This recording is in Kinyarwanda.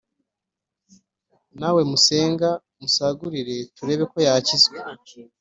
Na we musenge, musagurire turebe ko yakizwa